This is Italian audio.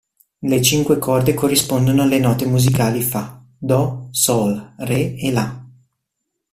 Le cinque corde corrispondono alle note musicali Fa, Do, Sol, Re e La.